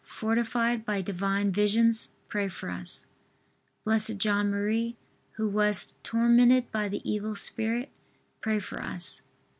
fortified by Divine visions, pray for us. B. J. M., who wast tormented by the evil spirit, pray for us.